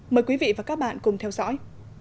mời quý vị và các bạn cùng theo dõi